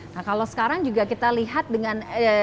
nah kalau sekarang juga kita lihat dengan